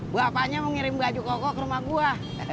bapaknya mau ngirim baju koko ke rumah gua